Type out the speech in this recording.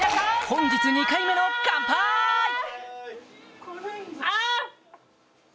本日２回目のカンパイ！